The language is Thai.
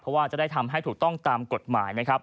เพราะว่าจะได้ทำให้ถูกต้องตามกฎหมายนะครับ